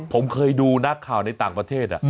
ผมเคยดูนักข่าวในต่างประเทศ